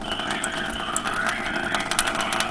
فایبر د هضم سیستم لپاره ګټور دی.